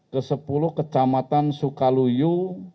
kesepuluh kecamatan sukaluyu